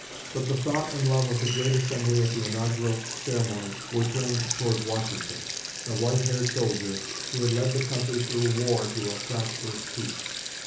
But the thought and love of the great assembly at the inaugural ceremony were turned toward Washington, the white haired soldier who had led the country through war to prosperous peace.